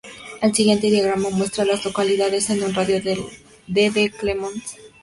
El siguiente diagrama muestra a las localidades en un radio de de Clemmons.